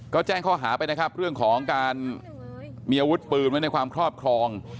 ก็แจ้งข้อหาไปนะครับเรื่องของการมีอาวุธปืนไว้ในความครอบครอง